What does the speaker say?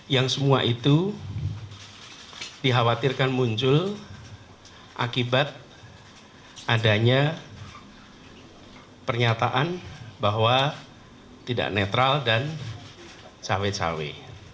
yang semua itu dikhawatirkan muncul akibat adanya pernyataan bahwa tidak netral dan cawe cawe